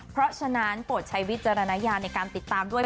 เพราะฉะนั้นโปรดใช้วิจารณญาณในการติดตามด้วย